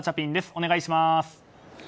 お願いします。